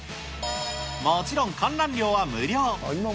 もちろん、観覧料は無料。